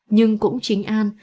nhưng cũng chính an